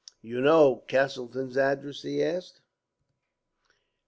"You know Castleton's address?" he asked.